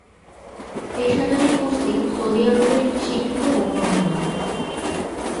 পেশাদারি কুস্তি সৌদি আরবের একটি স্বীকৃত গৌণ খেলা।